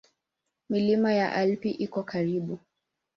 Milima ya Alpi iko karibu.